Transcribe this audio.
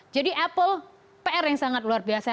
jadi apple pr yang sangat luar biasa